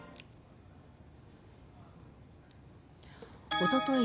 おととい